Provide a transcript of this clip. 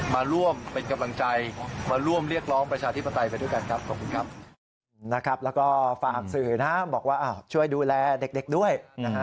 มาร่วมเป็นกำลังใจ